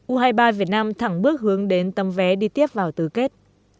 u hai mươi ba việt nam thẳng bước hướng đến tầm vé đi tiếp vào tử kết